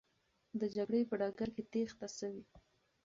د جګړې په ډګر کې تېښته سوې.